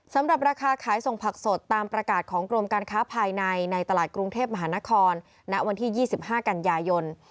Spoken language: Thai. สำหรับราคาขายส่งผักสดตามประกาศของกรมการค้าภายในในตลาดกรุงเทพมหานครณวันที่๒๕กันยายน